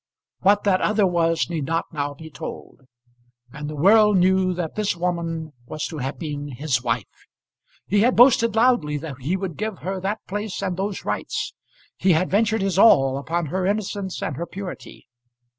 What that other was need not now be told. And the world knew that this woman was to have been his wife! He had boasted loudly that he would give her that place and those rights. He had ventured his all upon her innocence and her purity.